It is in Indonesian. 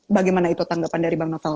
bagaimana itu tanggapan dari bang novel